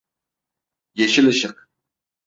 Yeşil ışık.